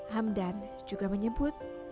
hamdan juga menyebut